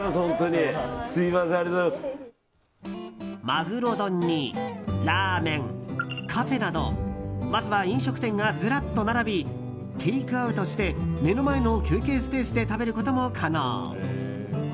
マグロ丼にラーメン、カフェなどまずは飲食店がずらっと並びテイクアウトして目の前の休憩スペースで食べることも可能。